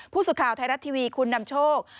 ผู้สื่อข่าวไทยรัฐทีวีคุณนำโชค